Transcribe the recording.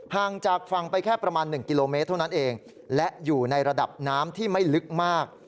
ห่างจากฝั่งไปแค่ประมาณ๑กิโลเมตรเท่านั้นเองและอยู่ในระดับน้ำที่ไม่ลึกมาก